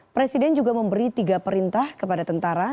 presiden juga memberi tiga perintah kepada tentara